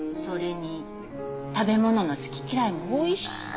それに食べ物の好き嫌いも多いし。